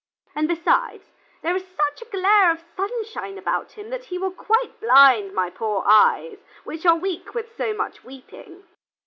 And, besides, there is such a glare of sunshine about him that he will quite blind my poor eyes, which are weak with so much weeping."